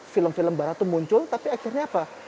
film film barat itu muncul tapi akhirnya apa